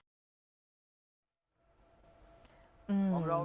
ด้านไข่ที่มันไม่ธรรมดา